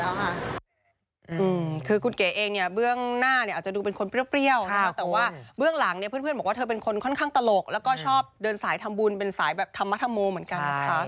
เวรกรรมมันมีจริงอยู่แล้วค่ะ